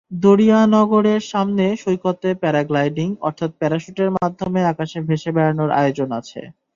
দরিয়ানগরের সামনের সৈকতে প্যারাগ্লাইডিং, অর্থাৎ প্যারাশুটের মাধ্যমে আকাশে ভেসে বেড়ানোর আয়োজন আছে।